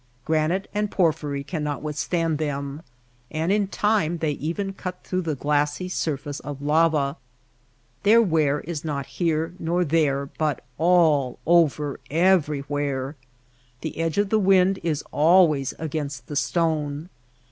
Granite and porphyry cannot withstand them, and in time they even cut THE MAKE OF THE DESERT 31 throngh the glassy surface of lava. Their wear is not here nor there^ but all over, everywhere. The edge of the wind is always against the stone.